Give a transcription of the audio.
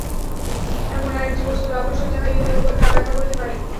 এমন আর একটি বস্তুর আবশ্যক, যাহা ইহাদের উভয়কেই ব্যাখ্যা করিতে পারে।